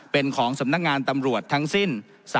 เป็นของสำนักงานตำรวจทั้งสิ้น